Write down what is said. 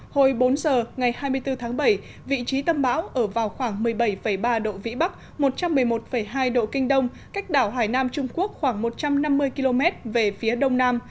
hồi bốn giờ ngày hai mươi bốn tháng bảy vị trí tâm bão ở vào khoảng một mươi bảy ba độ vĩ bắc một trăm một mươi một hai độ kinh đông cách đảo hải nam trung quốc khoảng một trăm năm mươi km về phía đông nam